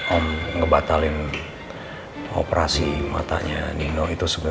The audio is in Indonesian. om ngebatalin operasi matanya nino itu sebenarnya